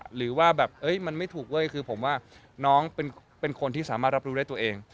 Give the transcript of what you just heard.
หรือว่าแบบมันไม่ถูกเว้ยคือผมว่าน้องเป็นคนที่สามารถรับรู้ได้ตัวเอง